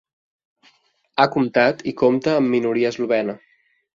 Ha comptat i compta amb minoria eslovena.